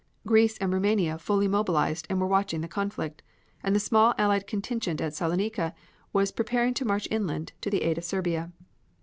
Greece and Roumania fully mobilized and were watching the conflict, and the small allied contingent at Saloniki was preparing to march inland to the aid of Serbia.